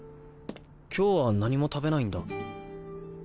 今日は何も食べないんだ。